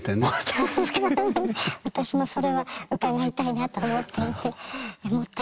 私もそれは伺いたいなと思っていて。